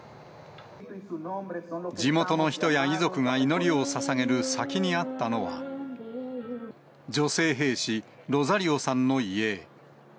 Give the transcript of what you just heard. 地元の人や遺族が祈りをささげる先にあったのは、女性兵士、ロザリオさんの遺影。